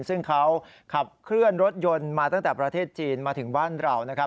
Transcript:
ซึ่งเขาขับเคลื่อนรถยนต์มาตั้งแต่ประเทศจีนมาถึงบ้านเรานะครับ